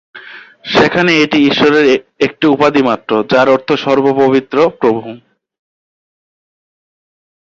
সেখানে এটি ঈশ্বরের একটি উপাধি-মাত্র, যার অর্থ "সর্ব-পবিত্র প্রভু"।